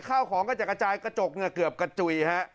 ข้าวของกระจ่ายกระจ่ายกระจกเกือบกระจุยฮะ